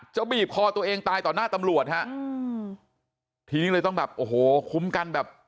บีบคอตัวเองตายต่อหน้าตำรวจฮะอืมทีนี้เลยต้องแบบโอ้โหคุ้มกันแบบ